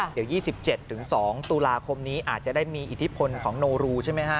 เดี๋ยว๒๗๒ตุลาคมนี้อาจจะได้มีอิทธิพลของโนรูใช่ไหมฮะ